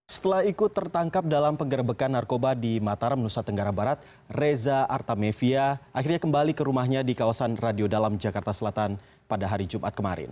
setelah ikut tertangkap dalam penggerbekan narkoba di mataram nusa tenggara barat reza artamevia akhirnya kembali ke rumahnya di kawasan radio dalam jakarta selatan pada hari jumat kemarin